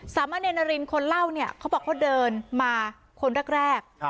สามะเนรนารินคนเล่าเนี่ยเขาบอกเขาเดินมาคนแรก